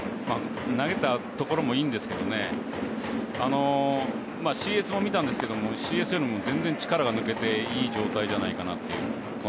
投げた所もいいんですけどＣＳを見たんですけどＣＳよりも全然力が抜けていい状態じゃないかなと。